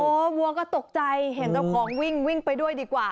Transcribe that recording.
โอ้โหวัวก็ตกใจเห็นเจ้าของวิ่งวิ่งไปด้วยดีกว่า